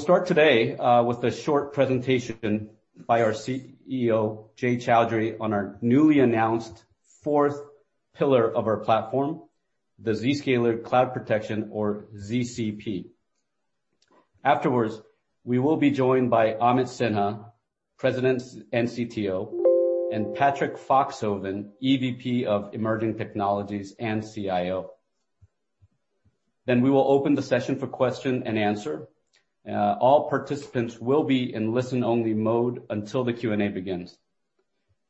We'll start today with a short presentation by our CEO, Jay Chaudhry, on our newly announced fourth pillar of our platform, the Zscaler Cloud Protection or ZCP. Afterwards, we will be joined by Amit Sinha, President and CTO, and Patrick Foxhoven, EVP of Emerging Technologies and CIO. We will open the session for question and answer. All participants will be in listen-only mode until the Q&A begins.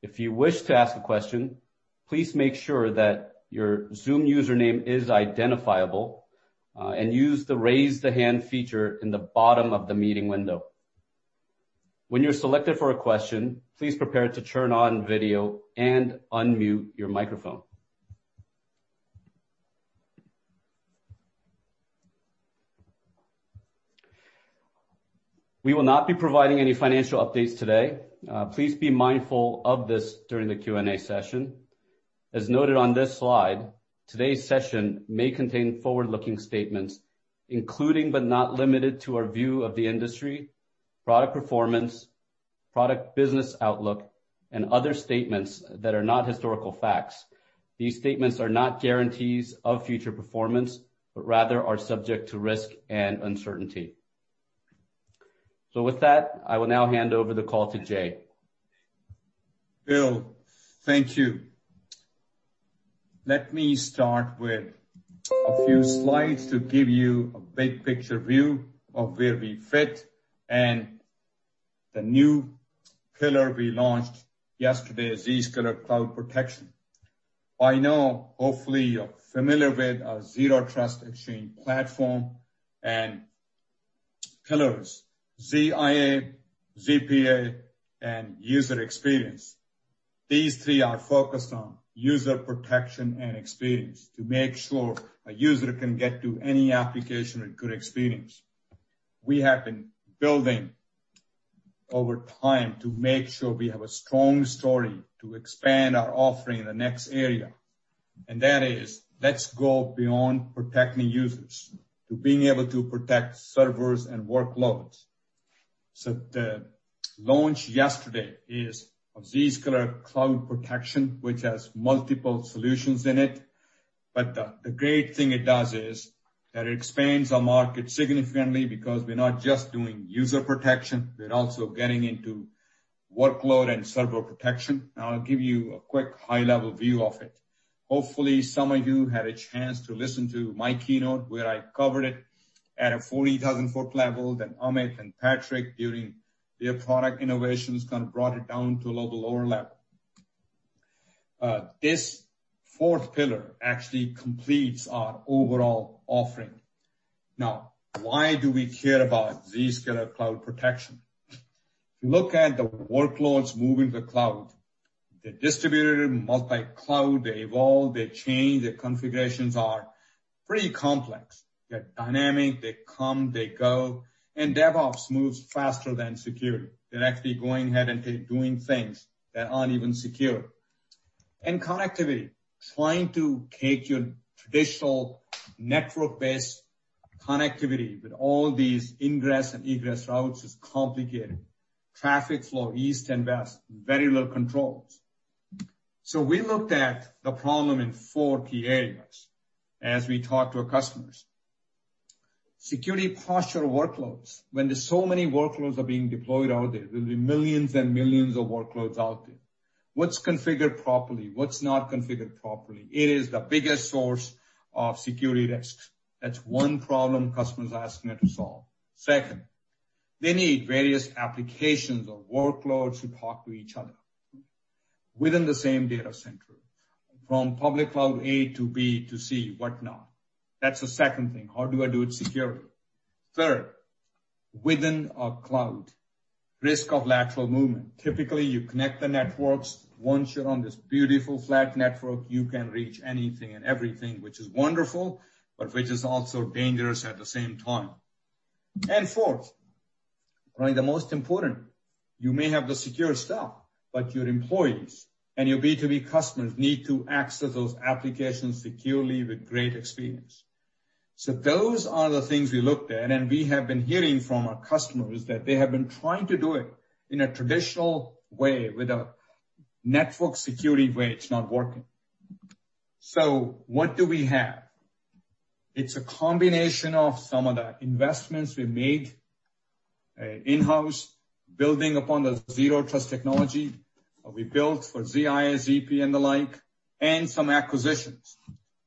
If you wish to ask a question, please make sure that your Zoom username is identifiable, and use the raise the hand feature in the bottom of the meeting window. When you're selected for a question, please prepare to turn on video and unmute your microphone. We will not be providing any financial updates today. Please be mindful of this during the Q&A session. As noted on this slide, today's session may contain forward-looking statements, including but not limited to our view of the industry, product performance, product business outlook, and other statements that are not historical facts. These statements are not guarantees of future performance, but rather are subject to risk and uncertainty. With that, I will now hand over the call to Jay. Bill, thank you. Let me start with a few slides to give you a big picture view of where we fit and the new pillar we launched yesterday, Zscaler Cloud Protection. By now, hopefully you're familiar with our Zero Trust Exchange platform and pillars ZIA, ZPA, and user experience. These three are focused on user protection and experience to make sure a user can get to any application a good experience. We have been building over time to make sure we have a strong story to expand our offering in the next area. That is, let's go beyond protecting users to being able to protect servers and workloads. The launch yesterday is of Zscaler Cloud Protection, which has multiple solutions in it. The great thing it does is that it expands our market significantly because we're not just doing user protection, we're also getting into workload and server protection. Now, I'll give you a quick high-level view of it. Hopefully, some of you had a chance to listen to my keynote where I covered it at a 40,000-ft level, then Amit and Patrick, during their product innovations, brought it down to a lower level. This fourth pillar actually completes our overall offering. Now, why do we care about Zscaler Cloud Protection? If you look at the workloads moving to the cloud, they're distributed multi-cloud, they evolve, they change. Their configurations are pretty complex. They're dynamic. They come, they go, and DevOps moves faster than security. They're actually going ahead and doing things that aren't even secure. Connectivity, trying to take your traditional network-based connectivity with all these ingress and egress routes is complicated. Traffic flow, east and west, very low controls. we looked at the problem in four key areas as we talked to our customers. Security posture workloads. When there's so many workloads are being deployed out there'll be millions and millions of workloads out there. What's configured properly? What's not configured properly? It is the biggest source of security risks. That's one problem customers are asking it to solve. Second, they need various applications or workloads to talk to each other within the same data center, from public cloud A to B to C, whatnot. That's the second thing. How do I do it securely? Third, within a cloud, risk of lateral movement. Typically, you connect the networks. Once you're on this beautiful flat network, you can reach anything and everything, which is wonderful, but which is also dangerous at the same time. Fourth, probably the most important, you may have the secure stuff, but your employees and your B2B customers need to access those applications securely with great experience. Those are the things we looked at, and we have been hearing from our customers that they have been trying to do it in a traditional way with a network security way. It's not working. What do we have? It's a combination of some of the investments we made in-house, building upon the zero trust technology we built for ZIA, ZPA and the like, and some acquisitions,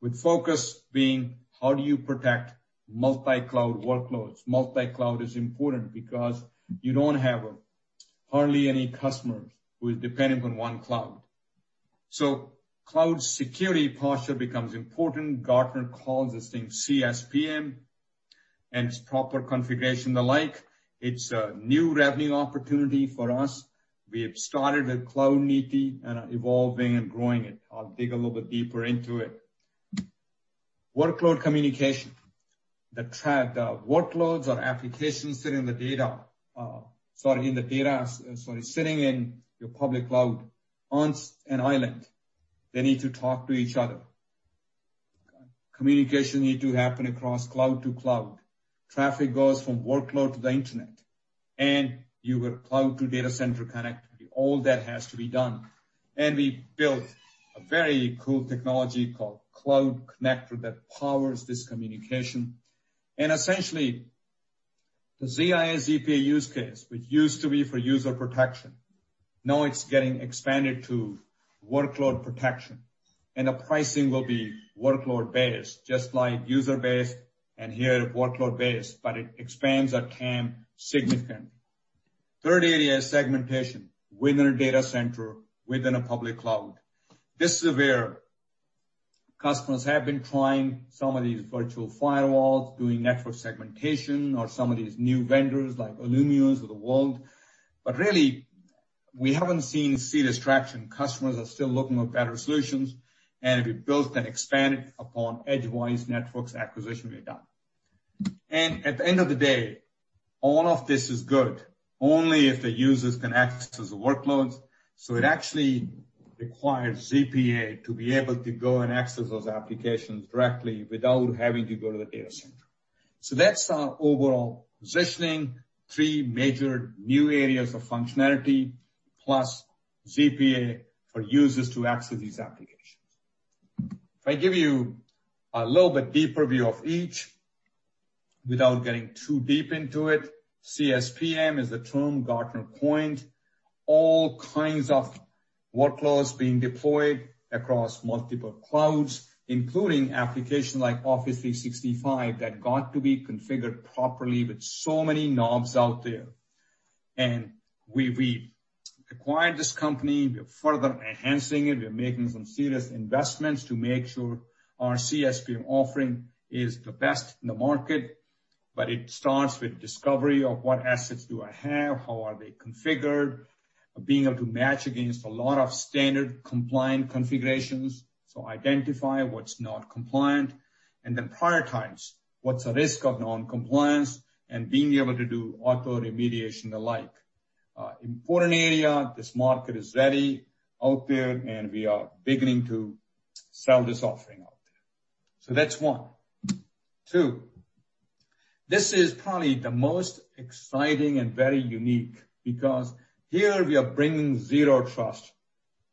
with focus being how do you protect multi-cloud workloads. Multi-cloud is important because you don't have hardly any customers who is dependent on one cloud. Cloud Security Posture becomes important. Gartner calls this thing CSPM and its proper configuration and the like. It's a new revenue opportunity for us. We have started with Cloudneeti and are evolving and growing it. I'll dig a little bit deeper into it. Workload communication. The workloads or applications sitting in your public cloud on an island. They need to talk to each other. Communication needs to happen across cloud to cloud. Traffic goes from workload to the internet, and you got cloud to data center connectivity. All that has to be done. We built a very cool technology called Cloud Connector that powers this communication. Essentially, the ZIA, ZPA use case, which used to be for user protection, now it's getting expanded to workload protection. The pricing will be workload-based, just like user-based and here workload-based, but it expands our TAM significantly. Third area is segmentation within a data center, within a public cloud. This is where customers have been trying some of these virtual firewalls, doing network segmentation or some of these new vendors, like Illumio of the world. Really, we haven't seen serious traction. Customers are still looking for better solutions, and we built and expanded upon Edgewise Networks acquisition we've done. At the end of the day, all of this is good only if the users can access the workloads. It actually requires ZPA to be able to go and access those applications directly without having to go to the data center. That's our overall positioning. Three major new areas of functionality, plus ZPA for users to access these applications. If I give you a little bit deeper view of each, without getting too deep into it. CSPM is the term Gartner coined. All kinds of workloads being deployed across multiple clouds, including application like Office 365, that got to be configured properly with so many knobs out there. We've acquired this company, we're further enhancing it. We're making some serious investments to make sure our CSPM offering is the best in the market, but it starts with discovery of what assets do I have, how are they configured, being able to match against a lot of standard compliant configurations. Identify what's not compliant and then prioritize what's the risk of non-compliance and being able to do auto remediation alike. Important area. This market is ready out there, and we are beginning to sell this offering out there. That's one. Two, this is probably the most exciting and very unique because here we are bringing zero trust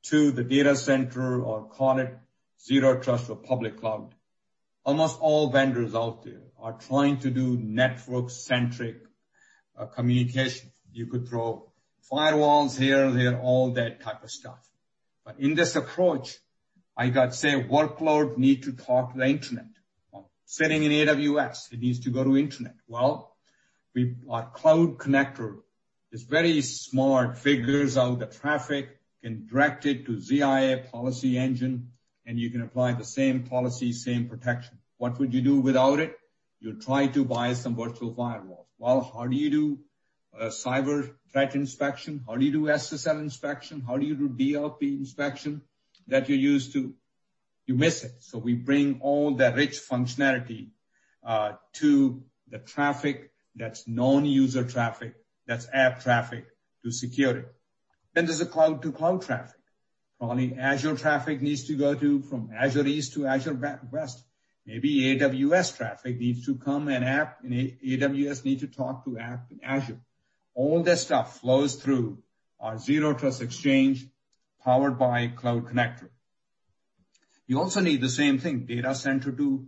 to the data center or call it zero trust for public cloud. Almost all vendors out there are trying to do network-centric communication. You could throw firewalls here and there, all that type of stuff. In this approach, I got, say, a workload need to talk to the internet. Sitting in AWS, it needs to go to internet. Well, our Cloud Connector is very smart, figures out the traffic, can direct it to ZIA policy engine, and you can apply the same policy, same protection. What would you do without it? You'd try to buy some virtual firewalls. Well, how do you do a cyber threat inspection? How do you do SSL inspection? How do you do DLP inspection that you're used to? You miss it. We bring all that rich functionality to the traffic that's non-user traffic, that's app traffic, to secure it. There's a cloud-to-cloud traffic. Probably Azure traffic needs to go to from Azure East to Azure West. Maybe AWS traffic needs to come and app in AWS need to talk to app in Azure. All that stuff flows through our Zero Trust Exchange powered by Cloud Connector. You also need the same thing, data center to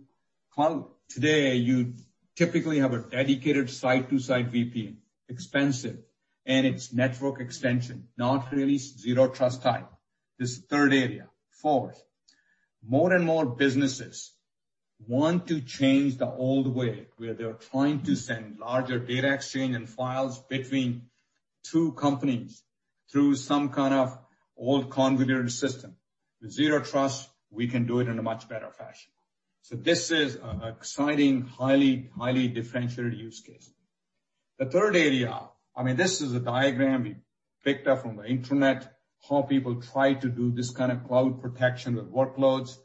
cloud. Today, you typically have a dedicated site-to-site VPN. Expensive, and it's network extension, not really zero trust type. This is third area. Fourth, more and more businesses want to change the old way where they're trying to send larger data exchange and files between two companies through some kind of old convoluted system. With zero trust, we can do it in a much better fashion. This is an exciting, highly differentiated use case. The third area, this is a diagram we picked up from the internet, how people try to do this kind of cloud protection with workloads.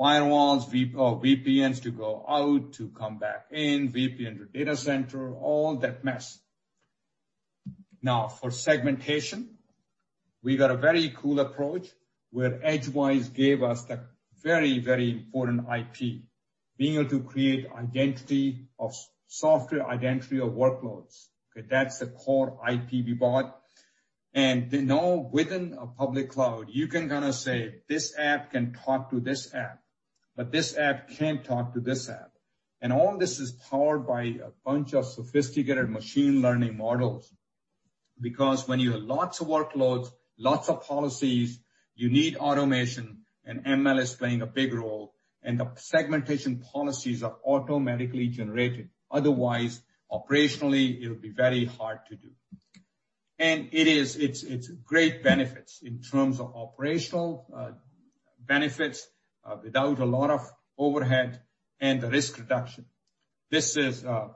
Firewalls, VPNs to go out, to come back in, VPN to data center, all that mess. For segmentation, we got a very cool approach where Edgewise gave us the very important IP. Being able to create identity of software, identity of workloads. Okay? That's the core IP we bought. Now within a public cloud, you can say, "This app can talk to this app, but this app can't talk to this app." All this is powered by a bunch of sophisticated machine learning models. Because when you have lots of workloads, lots of policies, you need automation, and ML is playing a big role. The segmentation policies are automatically generated. Otherwise, operationally, it'll be very hard to do. It's great benefits in terms of operational benefits without a lot of overhead and the risk reduction. This is a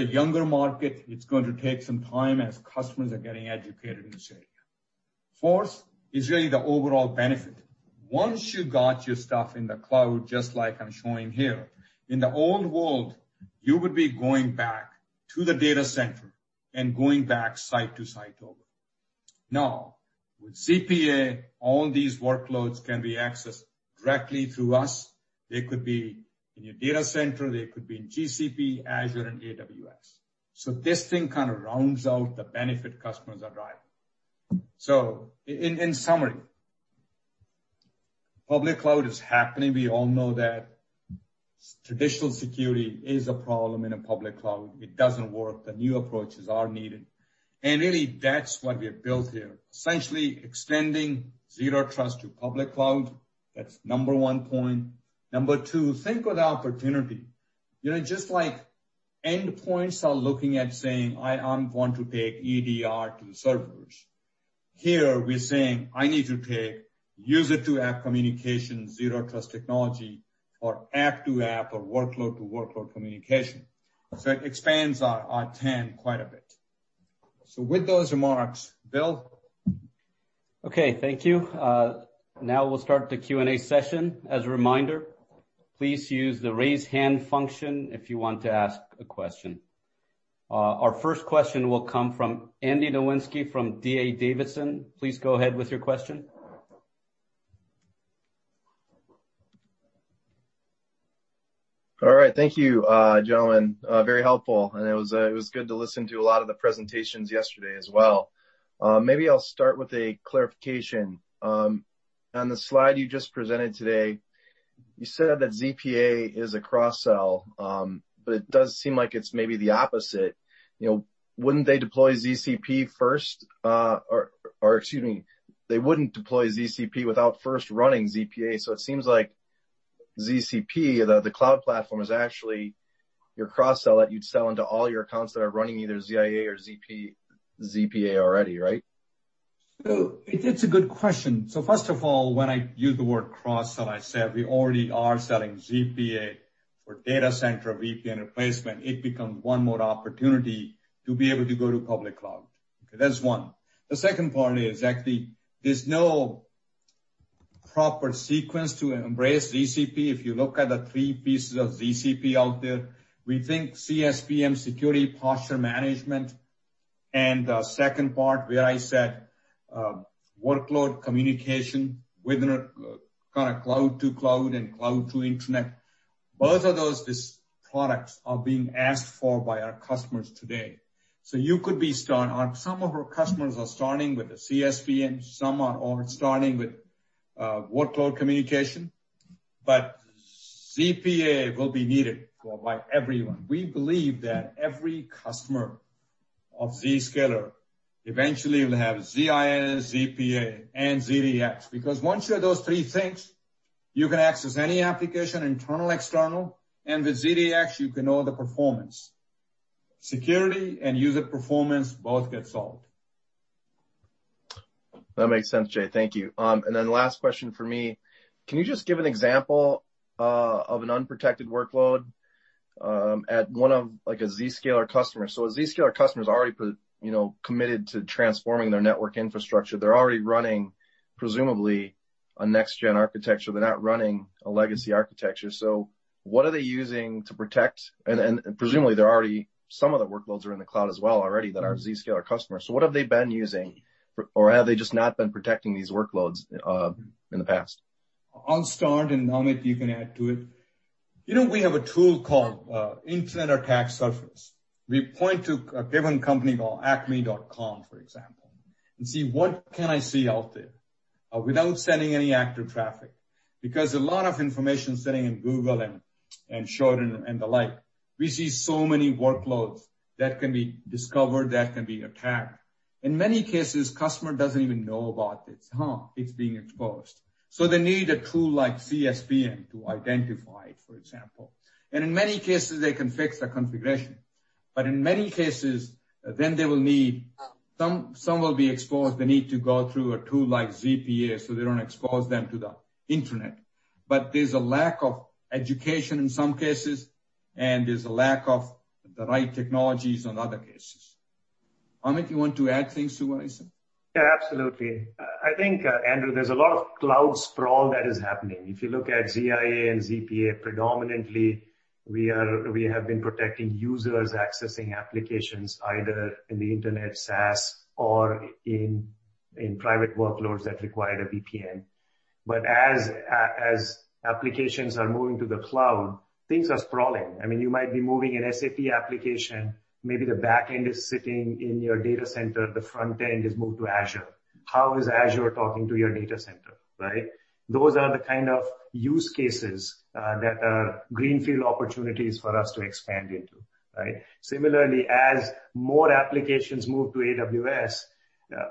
younger market. It's going to take some time as customers are getting educated in this area. Fourth is really the overall benefit. Once you got your stuff in the cloud, just like I'm showing here, in the old world, you would be going back to the data center and going back site to site over. Now, with ZPA, all these workloads can be accessed directly through us. They could be in your data center, they could be in GCP, Azure, and AWS. This thing kind of rounds out the benefit customers are driving. In summary, public cloud is happening. We all know that traditional security is a problem in a public cloud. It doesn't work. The new approaches are needed. Really, that's what we have built here, essentially extending zero trust to public cloud. That's number one point. Number two, think of the opportunity. Just like endpoints are looking at saying, "I want to take EDR to servers," here we're saying, "I need to take user-to-app communication, zero trust technology for app-to-app or workload-to-workload communication." It expands our TAM quite a bit. With those remarks, Bill. Okay. Thank you. Now we'll start the Q&A session. As a reminder, please use the raise hand function if you want to ask a question. Our first question will come from Andy Nowinski from D.A. Davidson. Please go ahead with your question. All right. Thank you, gentlemen. Very helpful. It was good to listen to a lot of the presentations yesterday as well. Maybe I'll start with a clarification. On the slide you just presented today, you said that ZPA is a cross-sell, but it does seem like it's maybe the opposite. Wouldn't they deploy ZCP first, or excuse me, they wouldn't deploy ZCP without first running ZPA. It seems like ZCP, the cloud platform, is actually your cross-sell that you'd sell into all your accounts that are running either ZIA or ZPA already, right? It's a good question. First of all, when I use the word cross-sell, I said we already are selling ZPA for data center VPN replacement. It becomes one more opportunity to be able to go to public cloud. Okay, that's one. The second part is actually there's no proper sequence to embrace ZCP if you look at the three pieces of ZCP out there. We think CSPM, security posture management, and the second part where I said workload communication within a kind of cloud-to-cloud and cloud-to-internet, both of those products are being asked for by our customers today. So you can be starting, some of our customers are starting with the CSPM, some are starting with workload communication. ZPA will be needed by everyone. We believe that every customer of Zscaler eventually will have ZIA, ZPA, and ZDX. Once you have those three things, you can access any application, internal, external, and with ZDX, you can know the performance. Security and user performance both get solved. That makes sense, Jay. Thank you. Last question from me. Can you just give an example of an unprotected workload at one of a Zscaler customer? A Zscaler customer is already committed to transforming their network infrastructure. They're already running, presumably, a next-gen architecture. They're not running a legacy architecture. What are they using to protect. Presumably, they're already, some of the workloads are in the cloud as well already that are Zscaler customers. What have they been using, or have they just not been protecting these workloads in the past? I'll start, and Amit, you can add to it. We have a tool called Internet Attack Surface. We point to a given company called acme.com, for example, and see what can I see out there without sending any active traffic. A lot of information sitting in Google and Shodan and the like. We see so many workloads that can be discovered, that can be attacked. In many cases, customer doesn't even know about it's being exposed. They need a tool like CSPM to identify it, for example. In many cases, they can fix the configuration. In many cases, then they will need, some will be exposed, they need to go through a tool like ZPA, so they don't expose them to the internet. There's a lack of education in some cases, and there's a lack of the right technologies on other cases. Amit, you want to add things to what I said? Yeah, absolutely. I think, Andrew, there's a lot of cloud sprawl that is happening. If you look at ZIA and ZPA predominantly, we have been protecting users accessing applications either in the internet, SaaS, or in private workloads that require a VPN. As applications are moving to the cloud, things are sprawling. You might be moving an SAP application, maybe the back end is sitting in your data center, the front end is moved to Azure. How is Azure talking to your data center, right? Those are the kind of use cases that are greenfield opportunities for us to expand into, right? Similarly, as more applications move to AWS,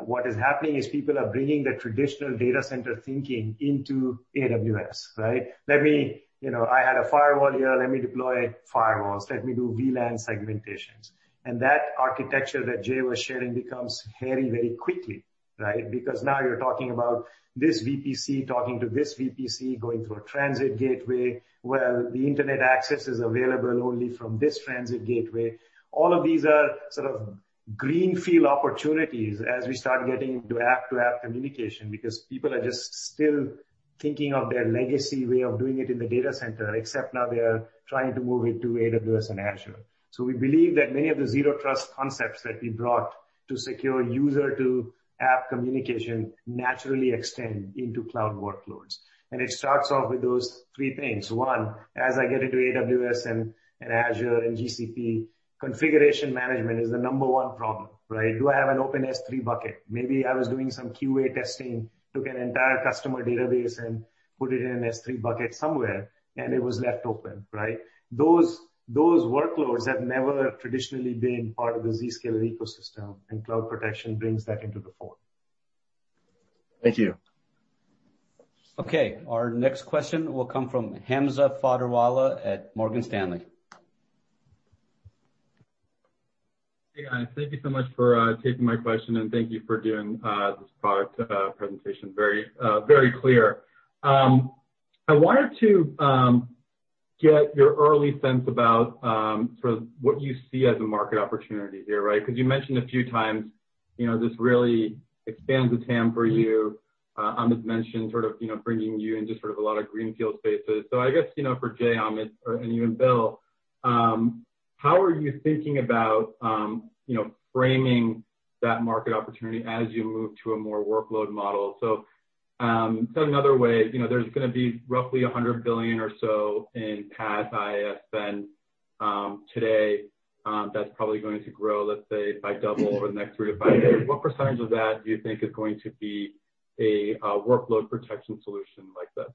what is happening is people are bringing the traditional data center thinking into AWS, right? I had a firewall here, let me deploy firewalls. Let me do VLAN segmentations. That architecture that Jay was sharing becomes hairy very quickly, right? Because now you're talking about this VPC talking to this VPC going through a transit gateway. Well, the internet access is available only from this transit gateway. All of these are sort of greenfield opportunities as we start getting into app-to-app communication because people are just still thinking of their legacy way of doing it in the data center, except now they are trying to move it to AWS and Azure. We believe that many of the zero trust concepts that we brought to secure user-to-app communication naturally extend into cloud workloads. It starts off with those three things. One, as I get into AWS and Azure and GCP, configuration management is the number one problem, right? Do I have an open S3 bucket? Maybe I was doing some QA testing, took an entire customer database and put it in an S3 bucket somewhere, and it was left open, right? Those workloads have never traditionally been part of the Zscaler ecosystem, and cloud protection brings that into the fold. Thank you. Okay. Our next question will come from Hamza Fodderwala at Morgan Stanley. Hey, guys. Thank you so much for taking my question, and thank you for doing this product presentation. Very clear. I wanted to get your early sense about what you see as a market opportunity here, right? Because you mentioned a few times, this really expands the TAM for you. Amit mentioned bringing you into a lot of greenfield spaces. I guess, for Jay, Amit, and even Bill, how are you thinking about framing that market opportunity as you move to a more workload model? Said another way, there's going to be roughly $100 billion or so in PaaS IaaS spend today. That's probably going to grow, let's say, by double over the next three to five years. What percentage of that do you think is going to be a workload protection solution like this?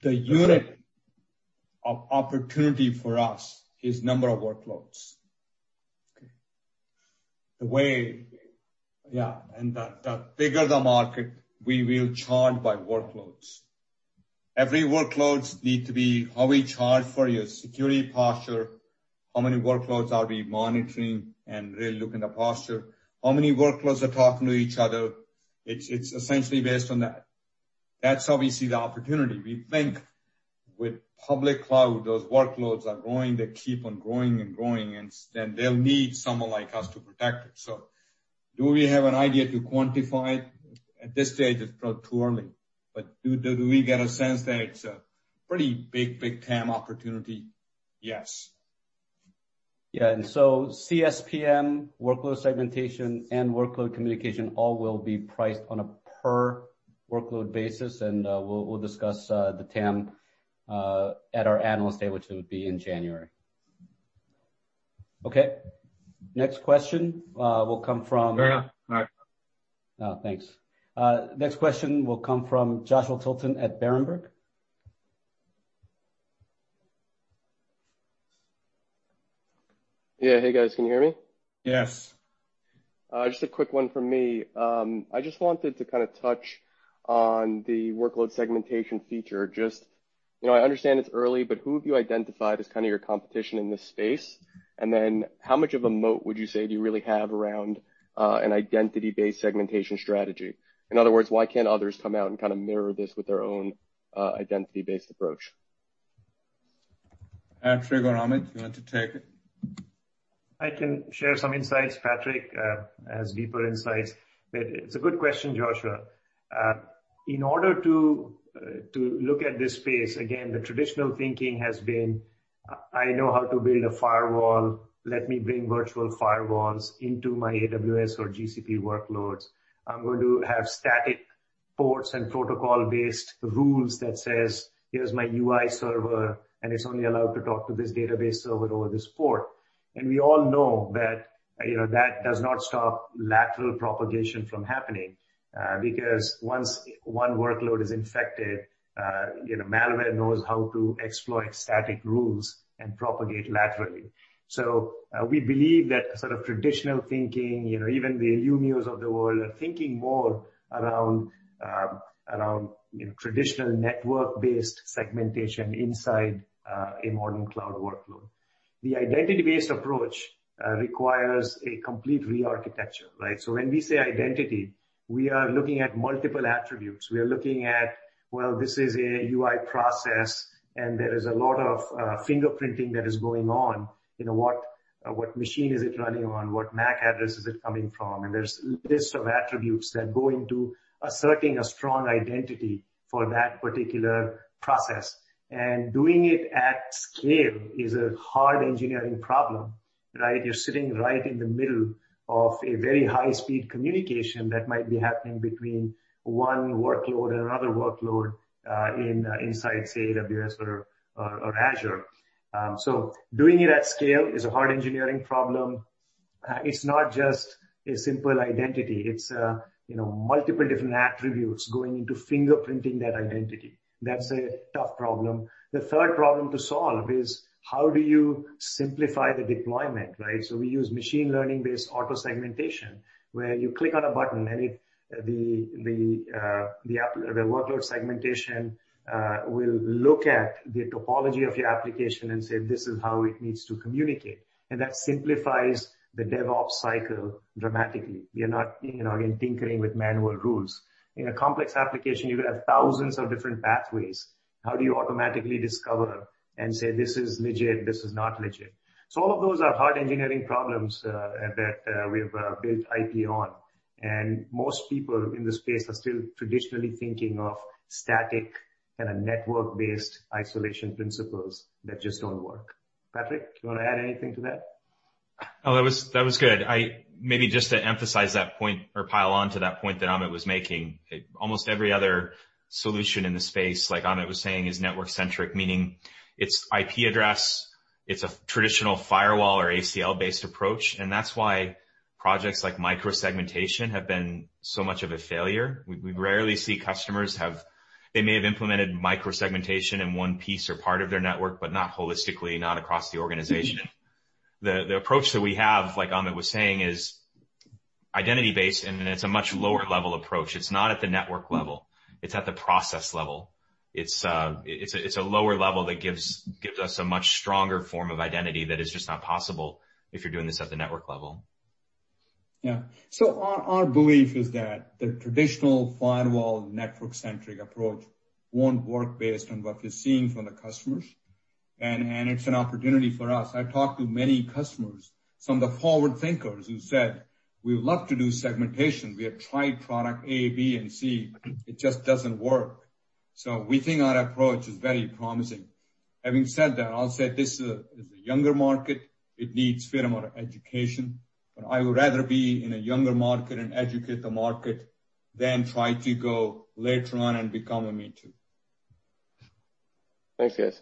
The unit of opportunity for us is number of workloads. Okay. Yeah. The bigger the market, we will charge by workloads. Every workloads need to be how we charge for your security posture, how many workloads are we monitoring and really look in the posture. How many workloads are talking to each other. It's essentially based on that. That's how we see the opportunity. We think with public cloud, those workloads are going to keep on growing and growing, and then they'll need someone like us to protect it. Do we have an idea to quantify it? At this stage, it's probably too early. Do we get a sense that it's a pretty big TAM opportunity? Yes. Yeah. CSPM, workload segmentation, and workload communication all will be priced on a per workload basis. We'll discuss the TAM at our Analyst Day, which will be in January. Okay. Next question will come from- No. No. Oh, thanks. Next question will come from Joshua Tilton at Berenberg. Yeah. Hey, guys. Can you hear me? Yes. Just a quick one from me. I just wanted to touch on the workload segmentation feature. Just, I understand it's early, but who have you identified as your competition in this space? How much of a moat would you say do you really have around an identity-based segmentation strategy? In other words, why can't others come out and mirror this with their own identity-based approach? I'm sure, Amit, you want to take it. I can share some insights. Patrick has deeper insights. It's a good question, Joshua. In order to look at this space, again, the traditional thinking has been, "I know how to build a firewall. Let me bring virtual firewalls into my AWS or GCP workloads. I'm going to have static ports and protocol-based rules that says, 'Here's my UI server, and it's only allowed to talk to this database server over this port.'" We all know that that does not stop lateral propagation from happening, because once one workload is infected, malware knows how to exploit static rules and propagate laterally. We believe that traditional thinking, even the Illumio of the world, are thinking more around traditional network-based segmentation inside a modern cloud workload. The identity-based approach requires a complete re-architecture, right? When we say identity, we are looking at multiple attributes. We are looking at, well, this is a UI process, and there is a lot of fingerprinting that is going on. What machine is it running on? What MAC address is it coming from? there's lists of attributes that go into asserting a strong identity for that particular process. Doing it at scale is a hard engineering problem, right? You're sitting right in the middle of a very high-speed communication that might be happening between one workload and another workload inside, say, AWS or Azure. doing it at scale is a hard engineering problem. It's not just a simple identity. It's multiple different attributes going into fingerprinting that identity. That's a tough problem. The third problem to solve is how do you simplify the deployment, right? We use machine learning-based auto segmentation, where you click on a button and the workload segmentation will look at the topology of your application and say, "This is how it needs to communicate." That simplifies the DevOps cycle dramatically. You're not tinkering with manual rules. In a complex application, you could have thousands of different pathways. How do you automatically discover and say, "This is legit, this is not legit?" All of those are hard engineering problems that we've built IP on. Most people in this space are still traditionally thinking of static and a network-based isolation principles that just don't work. Patrick, do you want to add anything to that? Oh, that was good. Maybe just to emphasize that point or pile on to that point that Amit was making. Almost every other solution in the space, like Amit was saying, is network-centric, meaning it's IP address, it's a traditional firewall or ACL-based approach. That's why projects like micro-segmentation have been so much of a failure. We rarely see customers have, they may have implemented micro-segmentation in one piece or part of their network, but not holistically, not across the organization. The approach that we have, like Amit was saying, is identity-based, and it's a much lower-level approach. It's not at the network level. It's at the process level. It's a lower level that gives us a much stronger form of identity that is just not possible if you're doing this at the network level. Yeah. Our belief is that the traditional firewall network-centric approach won't work based on what we're seeing from the customers. It's an opportunity for us. I've talked to many customers, some of the forward thinkers who said, "We would love to do segmentation. We have tried product A, B, and C. It just doesn't work." We think our approach is very promising. Having said that, I'll say this is a younger market. It needs fair amount of education, but I would rather be in a younger market and educate the market than try to go later on and become a me-too. Thanks, guys.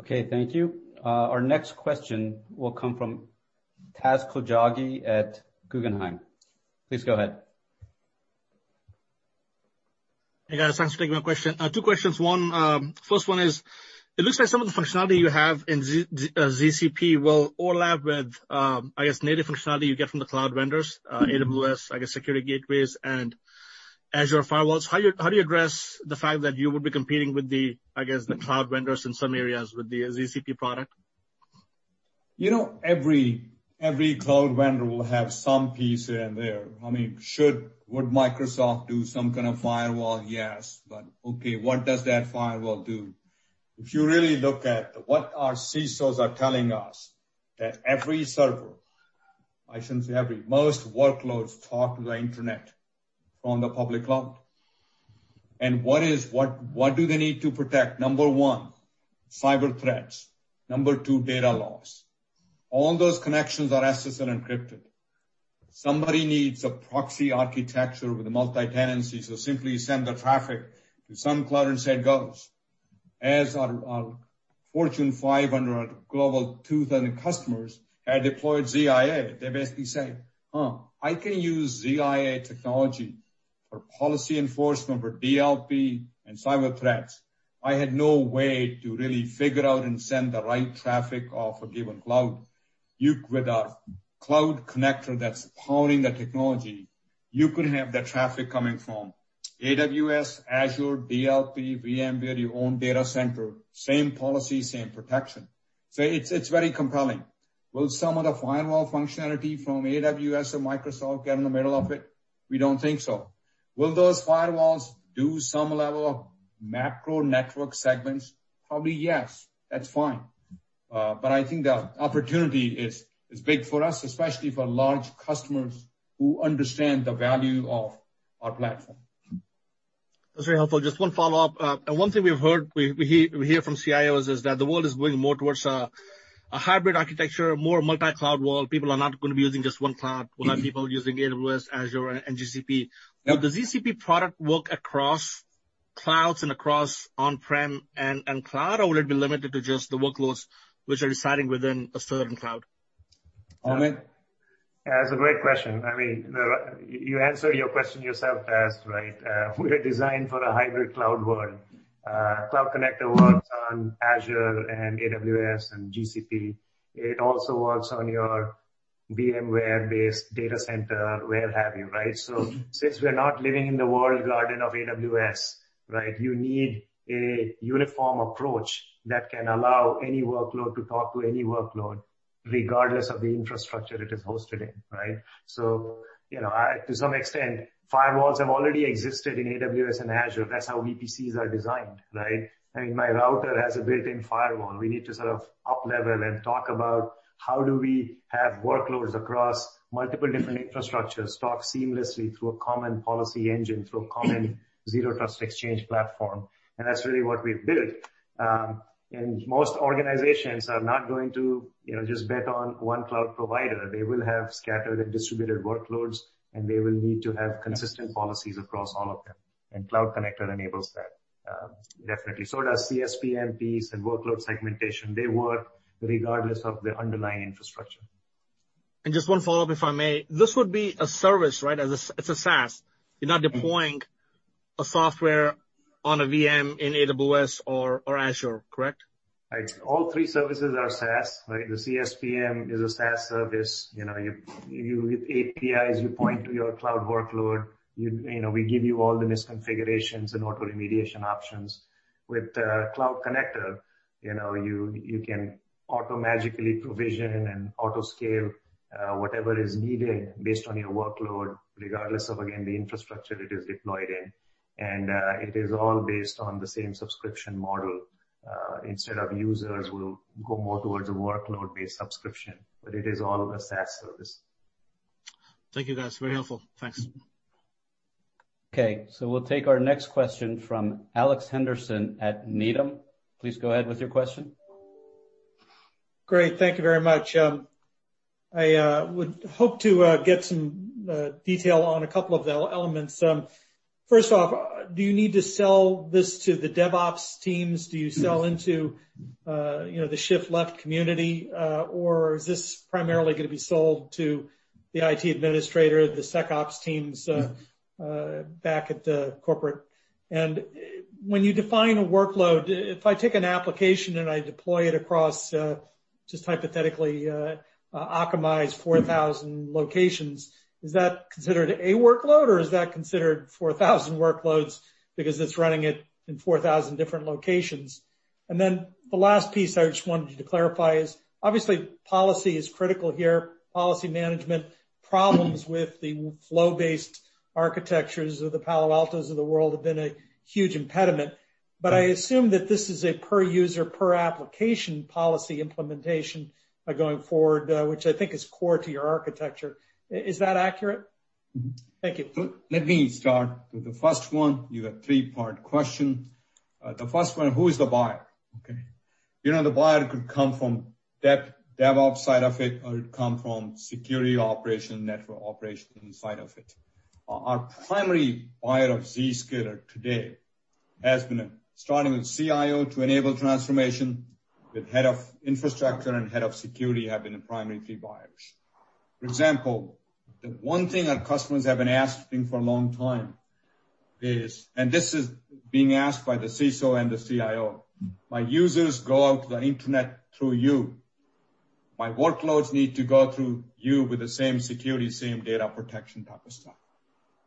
Okay, thank you. Our next question will come from Taz Koujalgi at Guggenheim. Please go ahead. Hey, guys. Thanks for taking my question. Two questions. First one is, it looks like some of the functionality you have in ZCP will overlap with, I guess, native functionality you get from the cloud vendors, AWS, I guess security gateways, and Azure firewalls. How do you address the fact that you would be competing with the, I guess, the cloud vendors in some areas with the ZCP product? Every cloud vendor will have some piece here and there. I mean, would Microsoft do some kind of firewall? Yes. okay, what does that firewall do? If you really look at what our CISOs are telling us, that every server, I shouldn't say every, most workloads talk to the internet from the public cloud. what do they need to protect? Number one, cyber threats. Number two, data loss. All those connections are SSL encrypted. Somebody needs a proxy architecture with a multi-tenancy, so simply send the traffic to some cloud and say, "Go." As our Fortune 500 Global 2000 customers had deployed ZIA, they basically say, "Huh, I can use ZIA technology for policy enforcement, for DLP, and cyber threats. I had no way to really figure out and send the right traffic off a given cloud." With our cloud connector that's powering the technology, you could have the traffic coming from AWS, Azure, DLP, VMware, your own data center, same policy, same protection. It's very compelling. Will some of the firewall functionality from AWS or Microsoft get in the middle of it? We don't think so. Will those firewalls do some level of macro network segments? Probably, yes. That's fine. I think the opportunity is big for us, especially for large customers who understand the value of our platform. That's very helpful. Just one follow-up. One thing we hear from CIOs is that the world is moving more towards a hybrid architecture, a more multi-cloud world. People are not going to be using just one cloud. We'll have people using AWS, Azure, and GCP. Yep. Will the ZCP product work across clouds and across on-prem and cloud, or will it be limited to just the workloads which are residing within a certain cloud? Amit? That's a great question. I mean, you answered your question yourself, Taz. We are designed for a hybrid cloud world. Cloud Connector works on Azure and AWS and GCP. It also works on your VMware-based data center, where have you. Since we're not living in the walled garden of AWS, you need a uniform approach that can allow any workload to talk to any workload regardless of the infrastructure it is hosted in. To some extent, firewalls have already existed in AWS and Azure. That's how VPCs are designed. I mean, my router has a built-in firewall. We need to up level and talk about how do we have workloads across multiple different infrastructures talk seamlessly through a common policy engine, through a common Zero Trust Exchange platform. That's really what we've built. Most organizations are not going to just bet on one cloud provider. They will have scattered and distributed workloads, and they will need to have consistent policies across all of them. Cloud Connector enables that, definitely. does CSPMs and workload segmentation. They work regardless of the underlying infrastructure. Just one follow-up, if I may. This would be a service. It's a SaaS. You're not deploying a software on a VM in AWS or Azure, correct? Right. All three services are SaaS. The CSPM is a SaaS service. With APIs, you point to your cloud workload. We give you all the misconfigurations and auto remediation options. With Cloud Connector, you can auto magically provision and auto scale, whatever is needed based on your workload, regardless of, again, the infrastructure it is deployed in. It is all based on the same subscription model. Instead of users, we'll go more towards a workload-based subscription. It is all a SaaS service. Thank you, guys. Very helpful. Thanks. Okay. We'll take our next question from Alex Henderson at Needham. Please go ahead with your question. Great. Thank you very much. I would hope to get some detail on a couple of elements. First off, do you need to sell this to the DevOps teams? Do you sell into the shift-left community? Is this primarily going to be sold to the IT administrator, the SecOps teams back at the corporate? When you define a workload, if I take an application and I deploy it across a- Just hypothetically, Akamai's 4,000 locations. Is that considered a workload, or is that considered 4,000 workloads because it's running it in 4,000 different locations? The last piece I just wanted you to clarify is, obviously policy is critical here, policy management problems with the flow-based architectures of the Palo Altos of the world have been a huge impediment. I assume that this is a per user, per application policy implementation going forward, which I think is core to your architecture. Is that accurate? Thank you. Let me start with the first one. You have a three-part question. The first one, who is the buyer? Okay. The buyer could come from DevOps side of it, or it could come from security operation, network operation side of it. Our primary buyer of Zscaler today has been starting with CIO to enable transformation, with head of infrastructure and head of security have been the primary three buyers. For example, the one thing our customers have been asking for a long time is, and this is being asked by the CISO and the CIO. My users go out to the internet through you. My workloads need to go through you with the same security, same data protection type of stuff.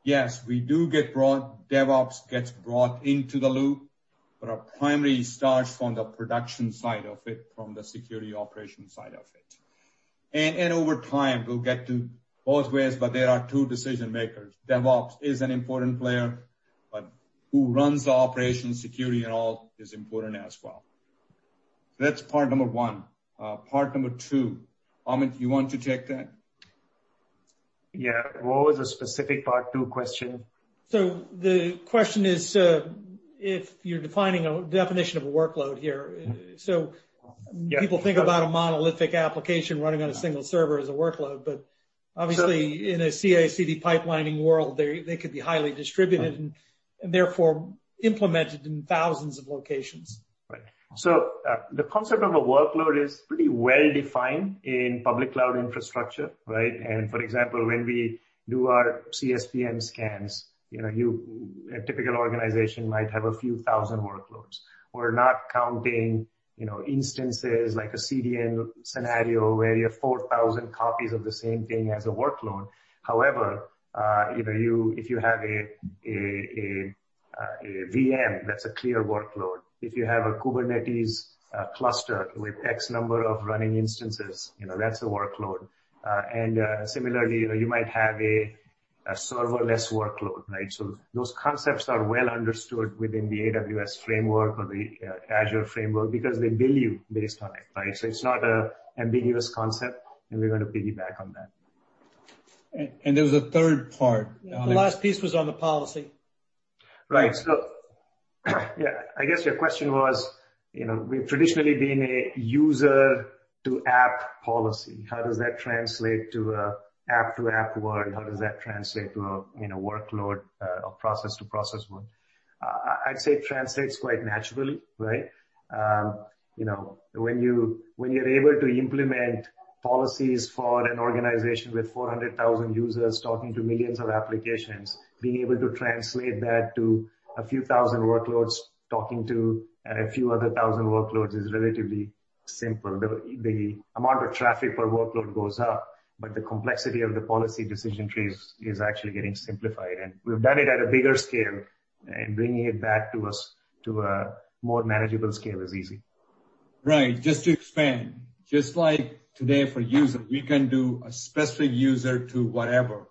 Yes, DevOps gets brought into the loop, but our primary starts from the production side of it, from the security operation side of it. Over time, we'll get to both ways, but there are two decision makers. DevOps is an important player, but who runs the operation security and all is important as well. That's part number one. Part number two, Amit, you want to take that? Yeah. What was the specific part two question? The question is, if you're defining a definition of a workload here. Yeah People think about a monolithic application running on a single server as a workload, but obviously in a CI/CD pipelining world, they could be highly distributed and therefore implemented in thousands of locations. Right. The concept of a workload is pretty well-defined in public cloud infrastructure, right? For example, when we do our CSPM scans, a typical organization might have a few thousand workloads. We're not counting instances like a CDN scenario where you have 4,000 copies of the same thing as a workload. However, if you have a VM, that's a clear workload. If you have a Kubernetes cluster with X number of running instances, that's a workload. Similarly, you might have a serverless workload, right? Those concepts are well understood within the AWS framework or the Azure framework because they bill you based on it, right? It's not an ambiguous concept, and we're going to piggyback on that. There was a third part. The last piece was on the policy. Right. yeah, I guess your question was, we've traditionally been a user-to-app policy. How does that translate to a app-to-app world? How does that translate to a workload or process-to-process world? I'd say it translates quite naturally, right? When you're able to implement policies for an organization with 400,000 users talking to millions of applications, being able to translate that to a few thousand workloads, talking to a few other thousand workloads is relatively simple. The amount of traffic per workload goes up, but the complexity of the policy decision trees is actually getting simplified. We've done it at a bigger scale, and bringing it back to a more manageable scale is easy. Right. Just to expand, just like today for user, we can do a specific user to whatever.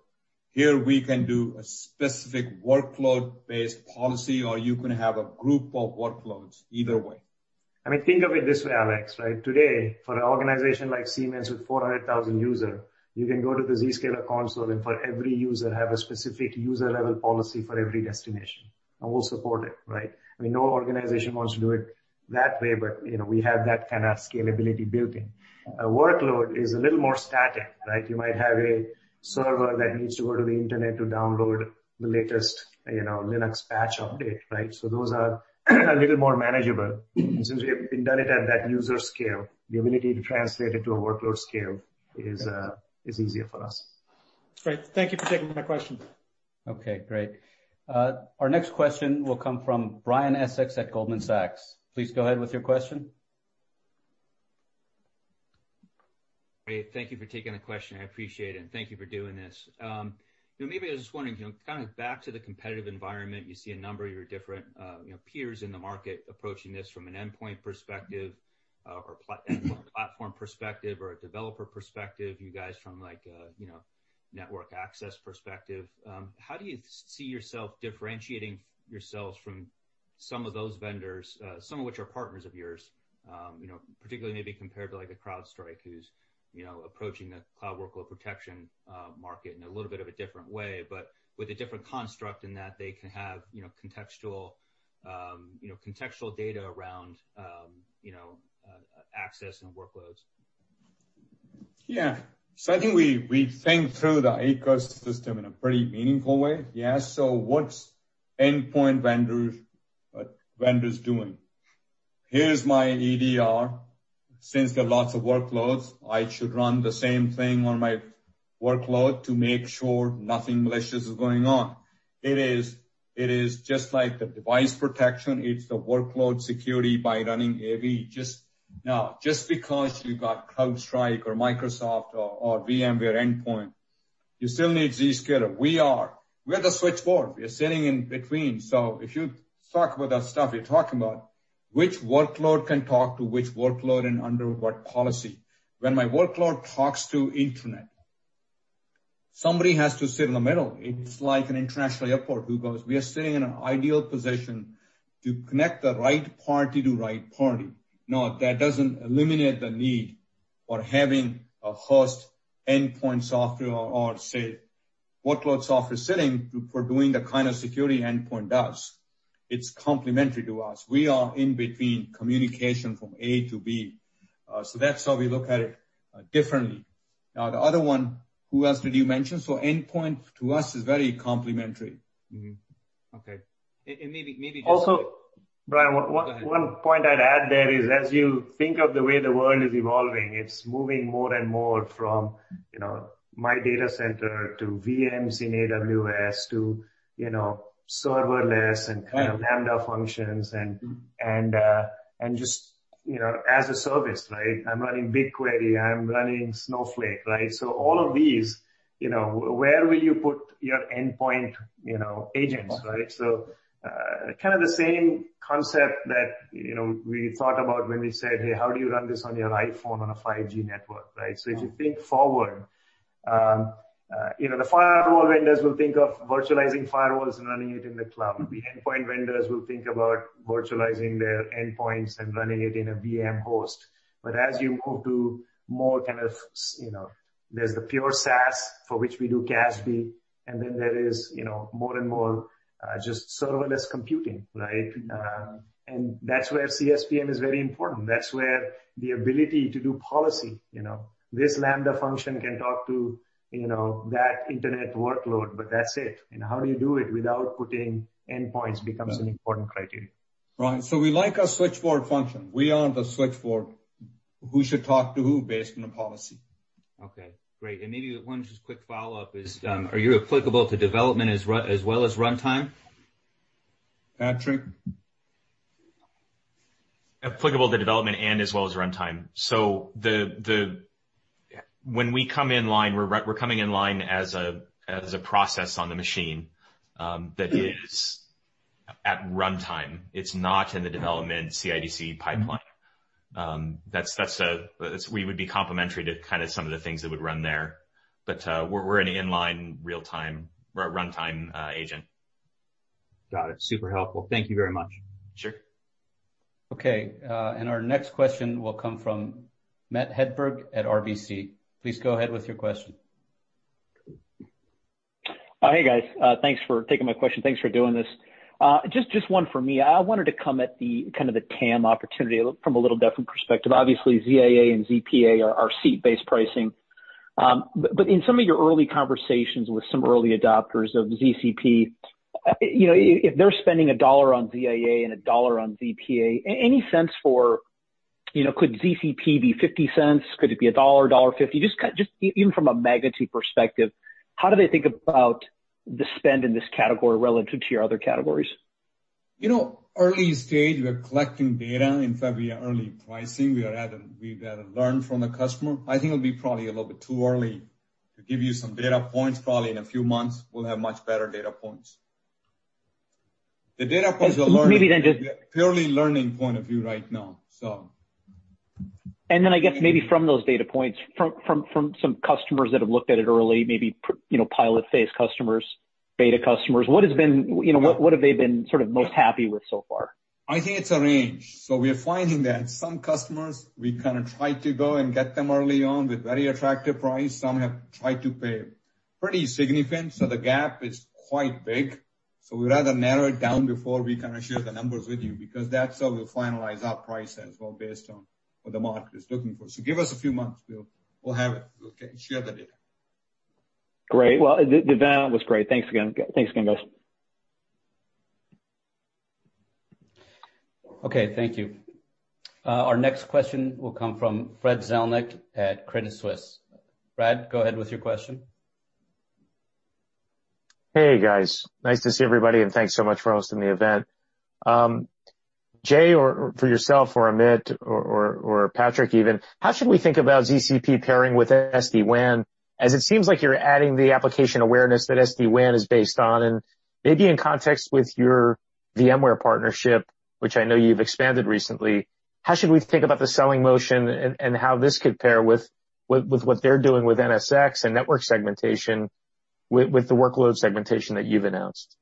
Here we can do a specific workload-based policy, or you can have a group of workloads, either way. Think of it this way, Alex, right? Today, for an organization like Siemens with 400,000 user, you can go to the Zscaler console and for every user have a specific user-level policy for every destination, and we'll support it, right? No organization wants to do it that way, but we have that kind of scalability built in. A workload is a little more static, right? You might have a server that needs to go to the internet to download the latest Linux patch update, right? So those are a little more manageable. Since we've done it at that user scale, the ability to translate it to a workload scale is easier for us. Great. Thank you for taking my question. Okay, great. Our next question will come from Brian Essex at Goldman Sachs. Please go ahead with your question. Great. Thank you for taking the question. I appreciate it, and thank you for doing this. Maybe I was just wondering, kind of back to the competitive environment, you see a number of your different peers in the market approaching this from an endpoint perspective or platform perspective or a developer perspective, you guys from a network access perspective. How do you see yourself differentiating yourselves from some of those vendors, some of which are partners of yours, particularly maybe compared to like a CrowdStrike who's approaching the cloud workload protection market in a little bit of a different way, but with a different construct in that they can have contextual data around access and workloads? Yeah. I think we think through the ecosystem in a pretty meaningful way. Yeah. What's endpoint vendors doing? Here's my EDR. Since there are lots of workloads, I should run the same thing on my workload to make sure nothing malicious is going on. It is just like the device protection, it's the workload security by running AV. Now, just because you got CrowdStrike or Microsoft or VMware endpoint, you still need Zscaler. We are the switchboard. We are sitting in between. If you talk about that stuff, you're talking about which workload can talk to which workload and under what policy. When my workload talks to internet, somebody has to sit in the middle. It's like an international airport, who goes, "We are sitting in an ideal position to connect the right party to right party." Now, that doesn't eliminate the need for having a host endpoint software or say, workload software sitting for doing the kind of security endpoint does. It's complementary to us. We are in between communication from A to B. That's how we look at it differently. Now, the other one, who else did you mention? Endpoint to us is very complementary. Mm-hmm. Okay. maybe just- Also, Brian, one point I'd add there is, as you think of the way the world is evolving, it's moving more and more from my data center to VMs in AWS to serverless and Lambda functions and just as a service. I'm running BigQuery, I'm running Snowflake. all of these, where will you put your endpoint agents? Kind of the same concept that we thought about when we said, "Hey, how do you run this on your iPhone on a 5G network?" if you think forward, the firewall vendors will think of virtualizing firewalls and running it in the cloud. The endpoint vendors will think about virtualizing their endpoints and running it in a VM host. As you move to more kind of, there's the pure SaaS for which we do CASB, and then there is more and more just serverless computing. That's where CSPM is very important. That's where the ability to do policy. This Lambda function can talk to that internet workload, but that's it. How do you do it without putting endpoints becomes an important criteria. Right. We like our switchboard function. We are the switchboard. Who should talk to who based on the policy. Okay, great. Maybe one just quick follow-up is, are you applicable to development as well as runtime? Patrick? Applicable to development and as well as runtime. When we come in line, we're coming in line as a process on the machine that is at runtime. It's not in the development CI/CD pipeline. We would be complementary to some of the things that would run there. We're an inline runtime agent. Got it. Super helpful. Thank you very much. Sure. Okay, our next question will come from Matt Hedberg at RBC. Please go ahead with your question. Hey, guys. Thanks for taking my question. Thanks for doing this. Just one from me. I wanted to come at the TAM opportunity from a little different perspective. Obviously, ZIA and ZPA are seat-based pricing. In some of your early conversations with some early adopters of ZCP, if they're spending a dollar on ZIA and a dollar on ZPA, any sense for could ZCP be 50 cents? Could it be a dollar, $1.50? Just even from a magnitude perspective, how do they think about the spend in this category relative to your other categories? Early stage, we're collecting data. In fact, we are early pricing. We've got to learn from the customer. I think it'll be probably a little bit too early to give you some data points. Probably in a few months, we'll have much better data points. The data points are learning. Maybe then just- Purely learning point of view right now. I guess maybe from those data points, from some customers that have looked at it early, maybe pilot phase customers, beta customers, what have they been most happy with so far? I think it's a range. We are finding that some customers, we try to go and get them early on with very attractive price. Some have tried to pay pretty significant, so the gap is quite big. We'd rather narrow it down before we share the numbers with you, because that's how we'll finalize our price as well, based on what the market is looking for. Give us a few months. We'll have it. We'll share the data. Great. Well, the event was great. Thanks again, guys. Okay, thank you. Our next question will come from Brad Zelnick at Credit Suisse. Brad, go ahead with your question. Hey, guys. Nice to see everybody, and thanks so much for hosting the event. Jay, or for yourself or Amit or Patrick even, how should we think about ZCP pairing with SD-WAN, as it seems like you're adding the application awareness that SD-WAN is based on? Maybe in context with your VMware partnership, which I know you've expanded recently, how should we think about the selling motion and how this could pair with what they're doing with NSX and network segmentation with the workload segmentation that you've announced?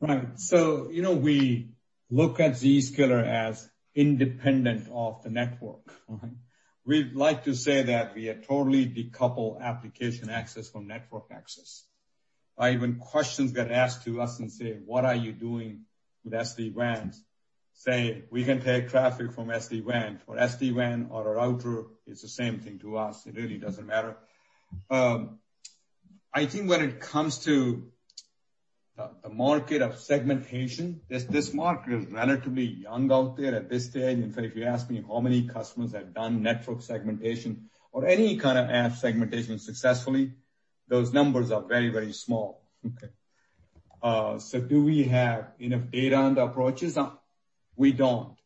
Right. We look at Zscaler as independent of the network. We like to say that we have totally decoupled application access from network access. Even questions get asked to us and say, "What are you doing with SD-WANs?" Say, we can take traffic from SD-WAN or a router, it's the same thing to us. It really doesn't matter. I think when it comes to the market of segmentation, this market is relatively young out there at this stage. In fact, if you ask me how many customers have done network segmentation or any kind of app segmentation successfully, those numbers are very small. Okay. Do we have enough data on the approaches? We don't.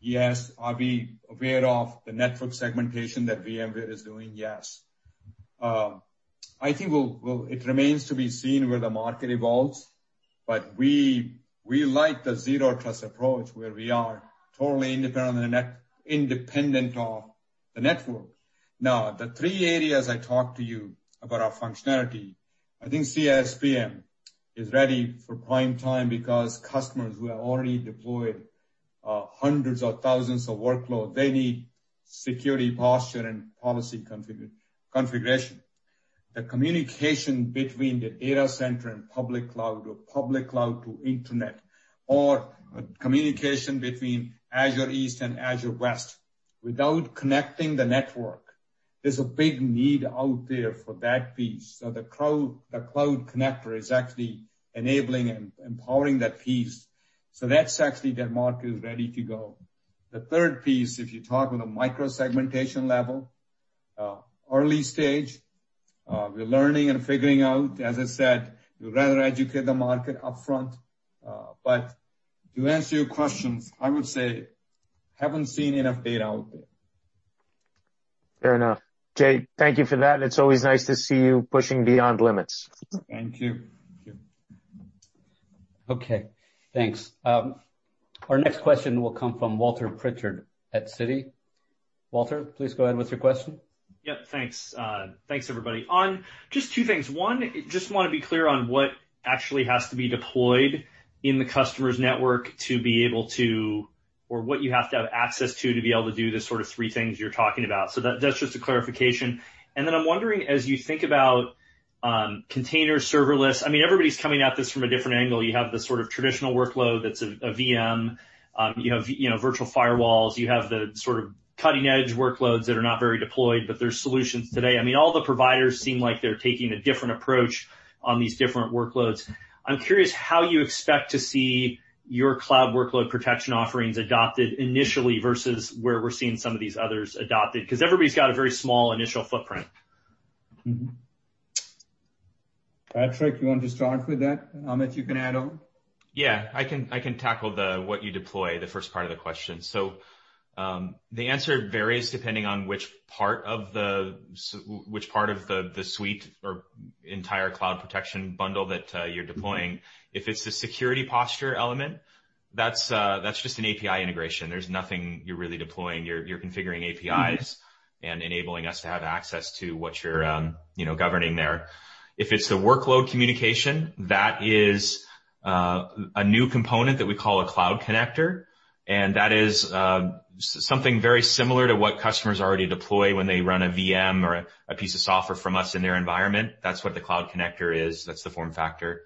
Yes, are we aware of the network segmentation that VMware is doing? Yes. I think it remains to be seen where the market evolves, but we like the zero trust approach where we are totally independent of the network. Now, the three areas I talked to you about our functionality, I think CSPM is ready for prime time because customers who have already deployed hundreds of thousands of workload, they need security posture and policy configuration. The communication between the data center and public cloud, or public cloud to internet, or communication between Azure East and Azure West without connecting the network. There's a big need out there for that piece. the Cloud Connector is actually enabling and empowering that piece. that's actually that market is ready to go. The third piece, if you talk on a micro-segmentation level, early stage, we're learning and figuring out, as I said, we'd rather educate the market upfront. To answer your questions, I would say, haven't seen enough data out there. Fair enough. Jay, thank you for that, and it's always nice to see you pushing beyond limits. Thank you. Okay, thanks. Our next question will come from Walter Pritchard at Citi. Walter, please go ahead with your question. Yep, thanks. Thanks, everybody. Just two things. One, just want to be clear on what actually has to be deployed in the customer's network to be able to or what you have to have access to be able to do the sort of three things you're talking about. That's just a clarification. I'm wondering, as you think about container serverless, I mean, everybody's coming at this from a different angle. You have the sort of traditional workload that's a VM. You have virtual firewalls. You have the sort of cutting-edge workloads that are not very deployed, but they're solutions today. I mean, all the providers seem like they're taking a different approach on these different workloads. I'm curious how you expect to see your cloud workload protection offerings adopted initially versus where we're seeing some of these others adopted. Everybody's got a very small initial footprint. Mm-hmm. Patrick, you want to start with that? Amit, you can add on. Yeah, I can tackle the what you deploy, the first part of the question. The answer varies depending on which part of the suite or entire cloud protection bundle that you're deploying. If it's the security posture element, that's just an API integration. There's nothing you're really deploying. You're configuring APIs and enabling us to have access to what you're governing there. If it's the workload communication, that is a new component that we call a Cloud Connector, and that is something very similar to what customers already deploy when they run a VM or a piece of software from us in their environment. That's what the Cloud Connector is. That's the form factor.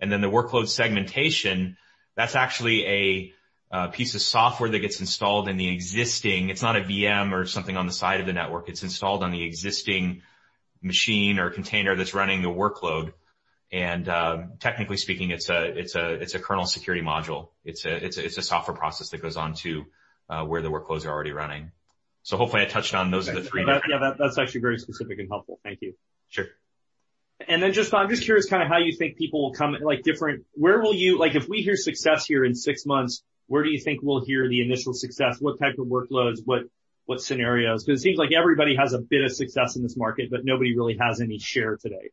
The workload segmentation, that's actually a piece of software that gets installed in the existing. It's not a VM or something on the side of the network. It's installed on the existing machine or container that's running the workload, technically speaking, it's a kernel security module. It's a software process that goes onto where the workloads are already running. Hopefully, I touched on those are the three. Yeah. That's actually very specific and helpful. Thank you. Sure. I'm just curious kind of how you think people will come, like, different If we hear success here in six months, where do you think we'll hear the initial success? What type of workloads? What scenarios? Because it seems like everybody has a bit of success in this market, but nobody really has any share today.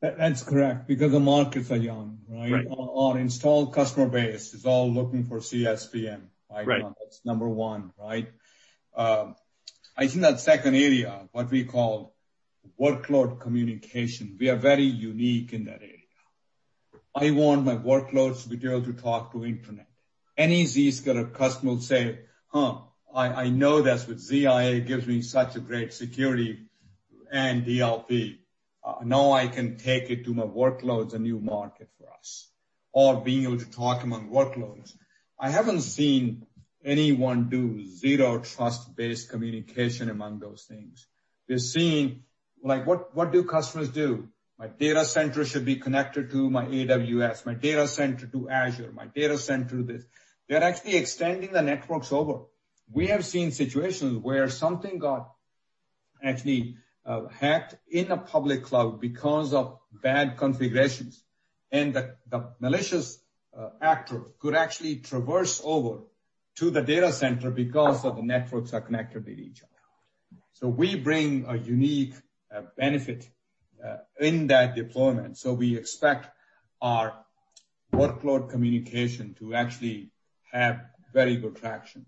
That's correct, because the markets are young, right? Right. Our installed customer base is all looking for CSPM. Right. That's number one, right? I think that second area, what we call workload communication, we are very unique in that area. I want my workloads to be able to talk to internet. Any Zscaler customer will say, "Huh, I know that with ZIA gives me such a great security and DLP. Now I can take it to my workloads," a new market for us. Being able to talk among workloads. I haven't seen anyone do zero trust-based communication among those things. We're seeing, like, what do customers do? My data center should be connected to my AWS, my data center to Azure, my data center this. They're actually extending the networks over. We have seen situations where something got actually hacked in a public cloud because of bad configurations, and the malicious actor could actually traverse over to the data center because of the networks are connected with each other. We bring a unique benefit in that deployment. We expect our workload communication to actually have very good traction.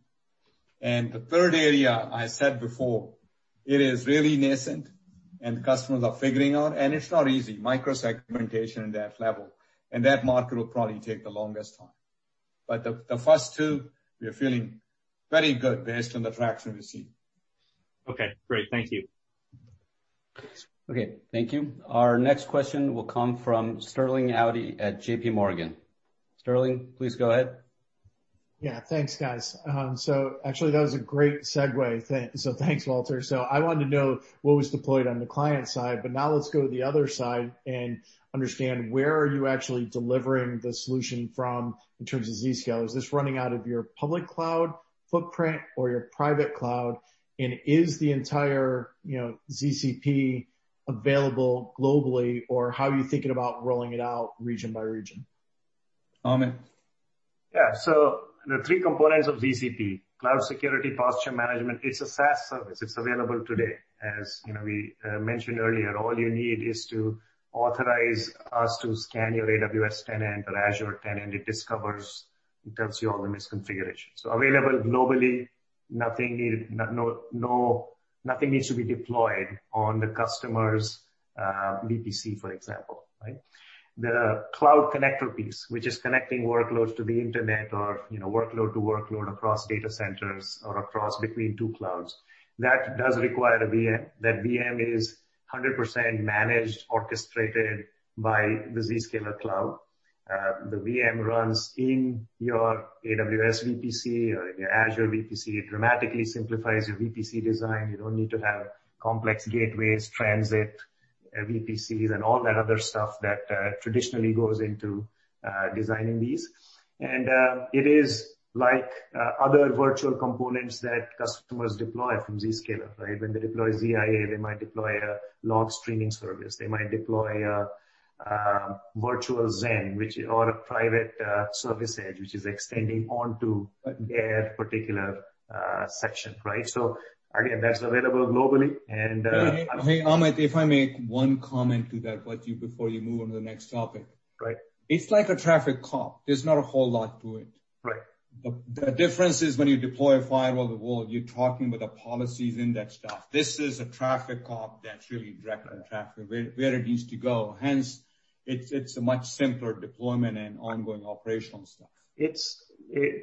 The third area, I said before, it is really nascent, and customers are figuring out, and it's not easy, micro-segmentation at that level, and that market will probably take the longest time. The first two, we are feeling very good based on the traction we've seen. Okay, great. Thank you. Okay, thank you. Our next question will come from Sterling Auty at JPMorgan. Sterling, please go ahead. Yeah, thanks, guys. Actually, that was a great segue. Thanks, Walter. I wanted to know what was deployed on the client side, but now let's go to the other side and understand where are you actually delivering the solution from in terms of Zscaler. Is this running out of your public cloud footprint or your private cloud, and is the entire ZCP available globally, or how are you thinking about rolling it out region by region? Amit? Yeah. The three components of ZCP, cloud security, posture management, it's a SaaS service. It's available today. As we mentioned earlier, all you need is to authorize us to scan your AWS tenant or Azure tenant. It discovers and tells you all the misconfigurations. Available globally. Nothing needs to be deployed on the customer's VPC, for example, right? The cloud connector piece, which is connecting workloads to the internet or workload to workload across data centers or across between two clouds, that does require a VM. That VM is 100% managed, orchestrated by the Zscaler cloud. The VM runs in your AWS VPC or in your Azure VPC. It dramatically simplifies your VPC design. You don't need to have complex gateways, transit, VPCs, and all that other stuff that traditionally goes into designing these. It is like other virtual components that customers deploy from Zscaler, right? When they deploy ZIA, they might deploy a log streaming service, they might deploy a virtual ZEN or a Private Service Edge, which is extending onto their particular section, right? Again, that's available globally and Hey, Amit, if I may, one comment to that before you move on to the next topic. Right. It's like a traffic cop. There's not a whole lot to it. Right. The difference is when you deploy a firewall, you're talking with a policies index stuff. This is a traffic cop that's really directing traffic where it needs to go. Hence, it's a much simpler deployment and ongoing operational stuff.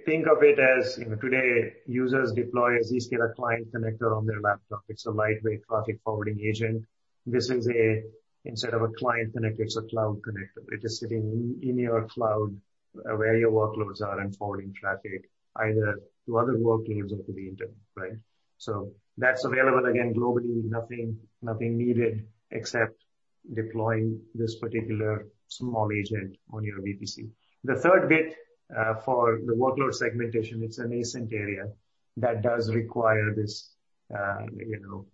Think of it as, today users deploy a Zscaler Client Connector on their laptop. It's a lightweight traffic forwarding agent. This is, instead of a client connector, it's a Cloud Connector. It is sitting in your cloud where your workloads are and forwarding traffic either to other workloads or to the internet, right? That's available, again, globally. Nothing needed except deploying this particular small agent on your VPC. The third bit, for the workload segmentation, it's a nascent area that does require this little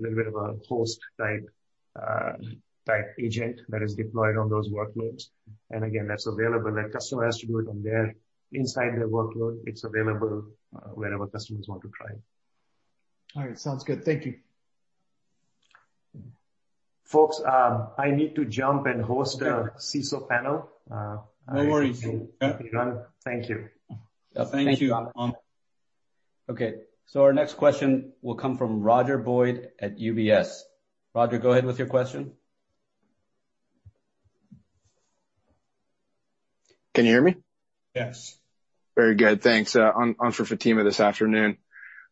bit of a host type agent that is deployed on those workloads. Again, that's available. That customer has to do it on their inside their workload. It's available wherever customers want to try it. All right. Sounds good. Thank you. Folks, I need to jump and host a CISO panel. No worries. Yeah. Thank you. Thank you, Amit. Okay, our next question will come from Roger Boyd at UBS. Roger, go ahead with your question. Can you hear me? Yes. Very good. Thanks. On for Fatima this afternoon.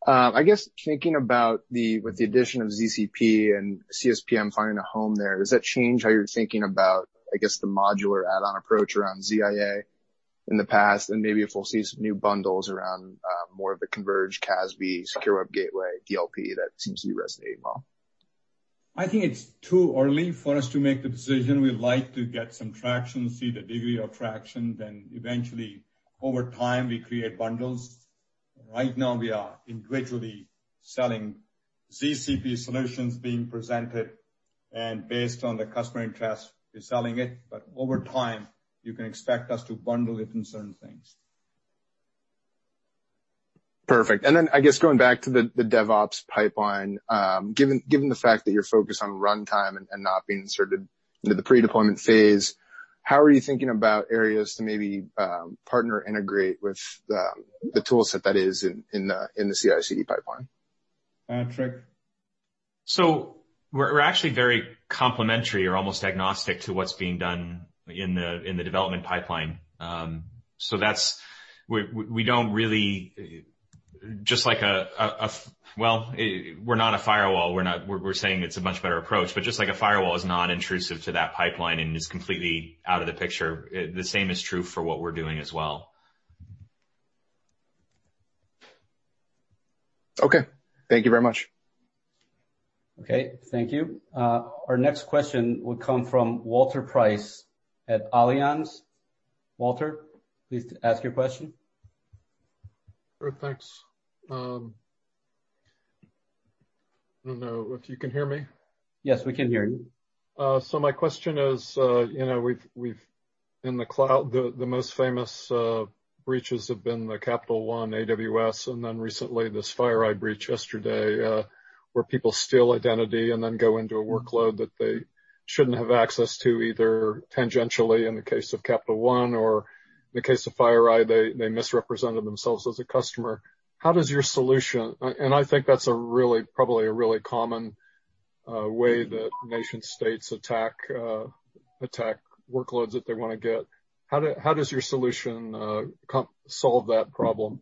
I guess thinking about with the addition of ZCP and CSPM finding a home there, does that change how you're thinking about, I guess, the modular add-on approach around ZIA in the past? maybe if we'll see some new bundles around more of the converged CASB, secure web gateway, DLP, that seems to resonate well. I think it's too early for us to make the decision. We'd like to get some traction, see the degree of traction, then eventually over time, we create bundles. Right now, we are individually selling ZCP solutions being presented, and based on the customer interest, we're selling it. over time, you can expect us to bundle it in certain things. Perfect. I guess going back to the DevOps pipeline, given the fact that you're focused on runtime and not being sort of into the pre-deployment phase, how are you thinking about areas to maybe partner integrate with the toolset that is in the CI/CD pipeline? Patrick. We're actually very complementary or almost agnostic to what's being done in the development pipeline. We're not a firewall. We're saying it's a much better approach, but just like a firewall is non-intrusive to that pipeline and is completely out of the picture, the same is true for what we're doing as well. Okay. Thank you very much. Okay. Thank you. Our next question will come from Walter Price at Allianz. Walter, please ask your question. Sure. Thanks. I don't know if you can hear me. Yes, we can hear you. My question is, in the cloud, the most famous breaches have been the Capital One, AWS, and then recently this FireEye breach yesterday, where people steal identity and then go into a workload that they shouldn't have access to, either tangentially in the case of Capital One or in the case of FireEye, they misrepresented themselves as a customer. I think that's probably a really common way that nation states attack workloads that they want to get. How does your solution solve that problem?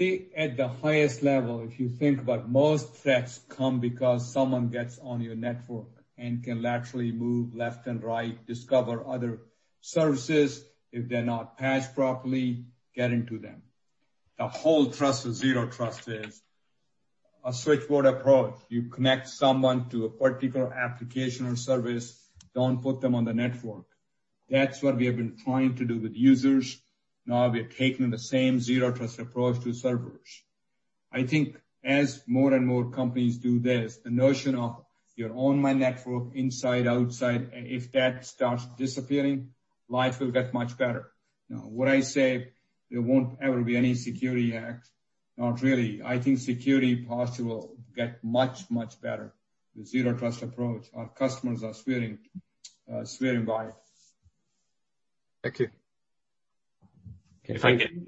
See, at the highest level, if you think about most threats come because someone gets on your network and can laterally move left and right, discover other services. If they're not patched properly, get into them. The whole trust of zero trust is a switchboard approach. You connect someone to a particular application or service, don't put them on the network. That's what we have been trying to do with users. Now we are taking the same zero trust approach to servers. I think as more and more companies do this, the notion of you're on my network, inside, outside, if that starts disappearing, life will get much better. Now, would I say there won't ever be any security hacks? Not really. I think security posture will get much, much better. The zero trust approach, our customers are swearing by it. Thank you. Okay. If I could-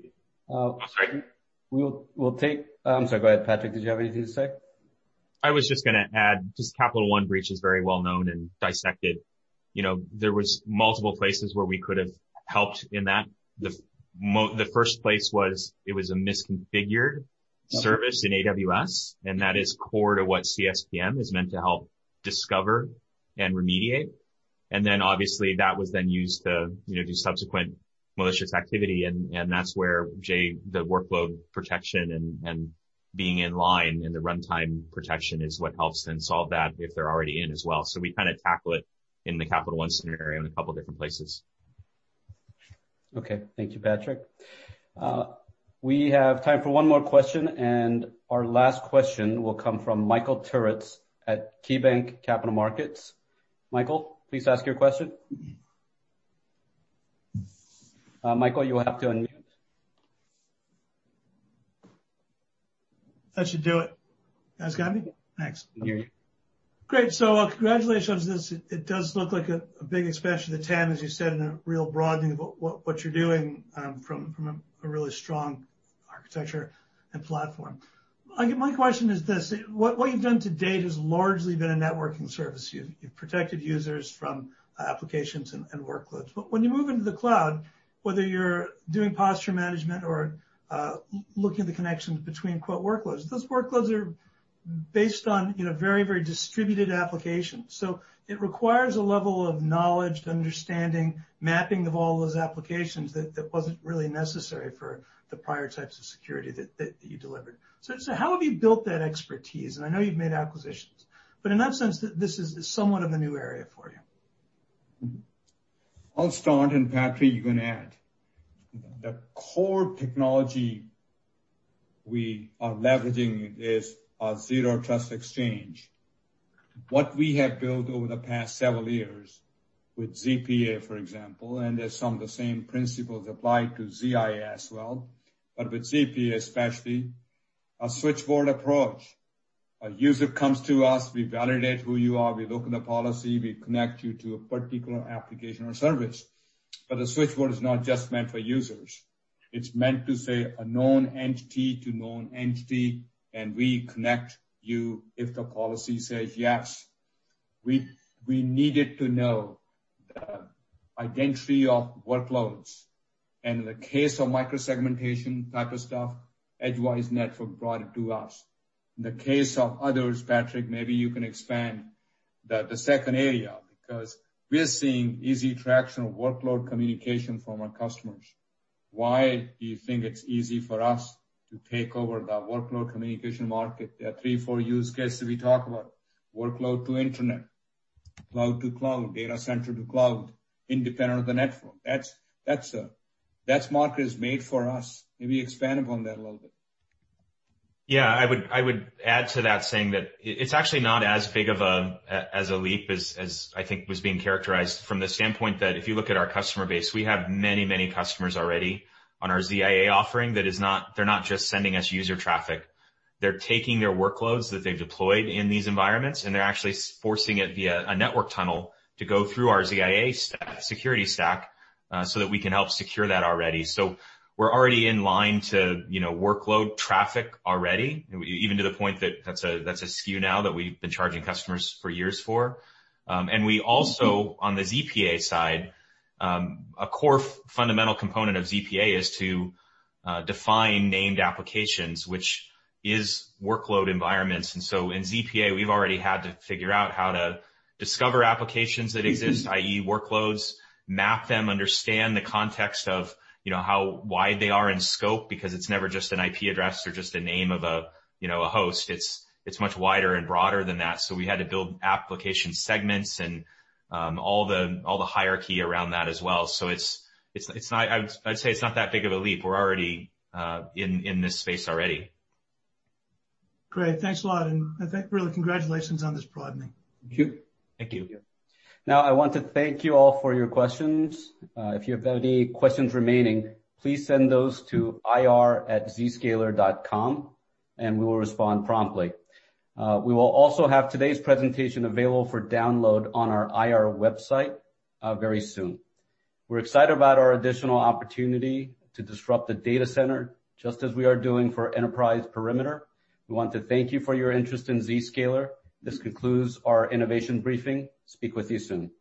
Oh, sorry. I'm sorry, go ahead, Patrick. Did you have anything to say? I was just going to add, just Capital One breach is very well-known and dissected. There was multiple places where we could have helped in that. The first place was, it was a misconfigured service in AWS, and that is core to what CSPM is meant to help discover and remediate. Obviously, that was then used to do subsequent malicious activity, and that's where, Jay, the workload protection and being in line in the runtime protection is what helps then solve that if they're already in as well. We kind of tackle it in the Capital One scenario in a couple different places. Okay. Thank you, Patrick. We have time for one more question, and our last question will come from Michael Turits at KeyBanc Capital Markets. Michael, please ask your question. Michael, you will have to unmute. That should do it. You guys got me? Thanks. We can hear you. Great. Congratulations on this. It does look like a big expansion to TAM, as you said, and a real broadening of what you're doing, from a really strong architecture and platform. My question is this, what you've done to date has largely been a networking service. You've protected users from applications and workloads. When you move into the cloud, whether you're doing posture management or looking at the connections between quote workloads, those workloads are based on very distributed applications. It requires a level of knowledge to understanding mapping of all those applications that wasn't really necessary for the prior types of security that you delivered. How have you built that expertise? I know you've made acquisitions. In that sense, this is somewhat of a new area for you. I'll start, and Patrick, you can add. The core technology we are leveraging is our Zero Trust Exchange. What we have built over the past several years with ZPA, for example, and as some of the same principles apply to ZIA as well, but with ZPA especially, a switchboard approach. A user comes to us, we validate who you are, we look in the policy, we connect you to a particular application or service. A switchboard is not just meant for users. It's meant to say a known entity to known entity, and we connect you if the policy says yes. We needed to know the identity of workloads. In the case of micro-segmentation type of stuff, Edgewise Networks brought it to us. In the case of others, Patrick, maybe you can expand the second area, because we're seeing easy traction of workload communication from our customers. Why do you think it's easy for us to take over the workload communication market? There are three, four use cases we talk about. Workload to internet, cloud to cloud, data center to cloud, independent of the network. That market is made for us. Maybe expand upon that a little bit. Yeah, I would add to that saying that it's actually not as big of a leap as I think was being characterized from the standpoint that if you look at our customer base, we have many customers already on our ZIA offering that is not, they're not just sending us user traffic. They're taking their workloads that they've deployed in these environments, and they're actually forcing it via a network tunnel to go through our ZIA security stack, so that we can help secure that already. We're already in line to workload traffic already, even to the point that that's a SKU now that we've been charging customers for years for. We also, on the ZPA side, a core fundamental component of ZPA is to define named applications, which is workload environments. in ZPA, we've already had to figure out how to discover applications that exist, i.e. workloads, map them, understand the context of why they are in scope, because it's never just an IP address or just a name of a host. It's much wider and broader than that, so we had to build application segments and all the hierarchy around that as well. I'd say it's not that big of a leap. We're already in this space already. Great. Thanks a lot, I think really congratulations on this broadening. Thank you. Thank you. I want to thank you all for your questions. If you have any questions remaining, please send those to ir@zscaler.com, and we will respond promptly. We will also have today's presentation available for download on our IR website very soon. We're excited about our additional opportunity to disrupt the data center, just as we are doing for enterprise perimeter. We want to thank you for your interest in Zscaler. This concludes our innovation briefing. Speak with you soon.